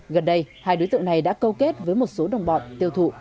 gần đây hai đối tượng này đã câu kết với một số đồng bọn tiêu thụ